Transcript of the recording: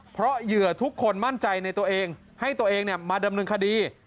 เพราะเหยื่อทุกคนมั่นใจในตัวเองให้ตัวเองมาดำเนินคดี